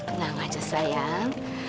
tenang aja sayang